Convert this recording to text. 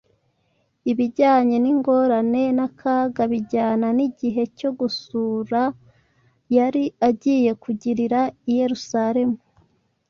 Ibijyanye n’ingorane n’akaga bijyana n’igihe cyo gusura yari agiye kugirira i Yerusalemu,